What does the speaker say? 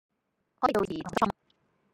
可以導致兒童失聰